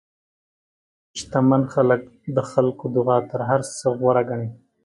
شتمن خلک د خلکو دعا تر هر څه غوره ګڼي.